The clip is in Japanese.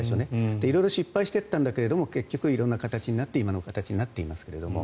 色々失敗していったんですが色んな形になって結局今の形になっていますが。